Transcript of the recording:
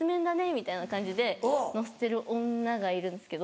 みたいな感じで載せてる女がいるんですけど。